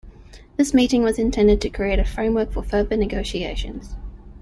This meeting was intended to create a framework for further negotiations.